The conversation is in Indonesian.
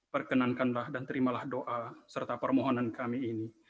perkenankanlah dan terimalah doa serta permohonan kami ini